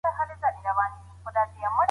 ډیپلوماسي د شتمنیو د خوندیتوب لپاره ده.